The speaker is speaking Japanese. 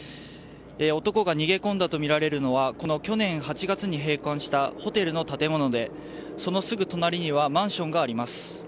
男が逃げ込んだとみられるのは去年８月に閉館したホテルの建物でそのすぐ隣にはマンションがあります。